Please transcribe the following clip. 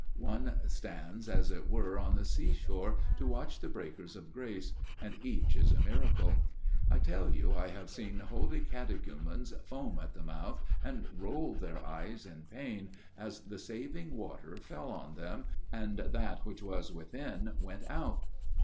One stands as it were on the sea shore to watch the breakers of grace ; and each is a miracle. I tell you I have seen holy catechumens foam at the mouth and roll their eyes in pain, as the saving water fell FATHER MEURON'S TALE 37 on them, and that which was within went out.